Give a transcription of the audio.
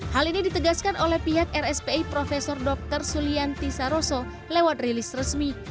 hal ini ditegaskan oleh pihak rspi prof dr sulianti saroso lewat rilis resmi